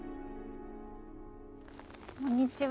こんにちは。